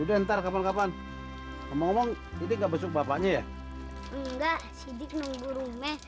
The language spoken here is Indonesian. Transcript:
udah entar kapan kapan ngomong ngomong tidak besok bapaknya ya enggak sidik nunggu rumah